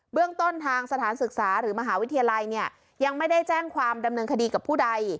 เรื่องต้นทางสถานศึกษาหรือมหาวิทยาลัยเนี่ยยังไม่ได้แจ้งความดำเนินคดีกับผู้ใด